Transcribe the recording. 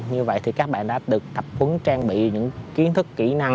như vậy thì các bạn đã được tập quấn trang bị những kiến thức kỹ năng